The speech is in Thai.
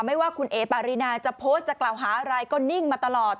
ไม่ว่าคุณเอ๋ปารีนาจะโพสต์จะกล่าวหาอะไรก็นิ่งมาตลอด